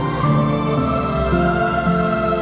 aku mau denger